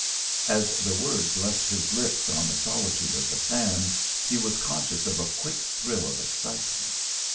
As the words left his lips on the solitude of the sands, he was conscious of a quick thrill of excitement.